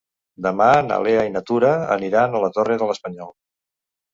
Demà na Lea i na Tura aniran a la Torre de l'Espanyol.